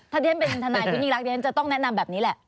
ถ้าเรียนเป็นทนายคุณยิ่งรักเรียนจะต้องแนะนำแบบนี้แหละ